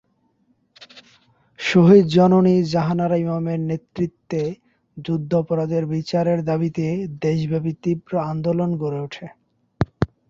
শহীদ জননী জাহানারা ইমামের নেতৃত্বে যুদ্ধাপরাধের বিচারের দাবিতে দেশব্যাপী তীব্র আন্দোলন গড়ে উঠে।